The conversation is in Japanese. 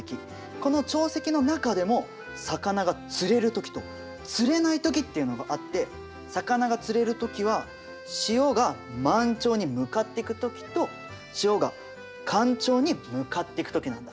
この潮汐の中でも魚が釣れる時と釣れない時っていうのがあって魚が釣れる時は潮が満潮に向かっていく時と潮が干潮に向かっていく時なんだ。